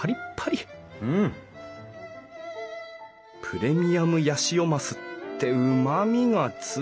プレミアムヤシオマスってうまみが強い。